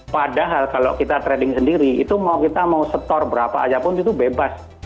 padahal kalau kita trading sendiri itu kita mau setor berapa aja pun itu bebas